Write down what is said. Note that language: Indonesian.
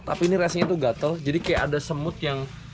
tapi ini rasanya tuh gatel jadi kayak ada semut yang